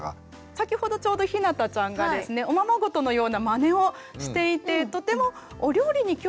先ほどちょうどひなたちゃんがですねおままごとのようなマネをしていてとてもお料理に興味があるのかなと。